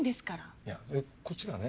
いやでこっちがね。